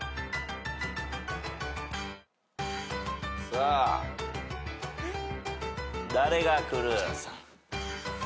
さあ誰がくる？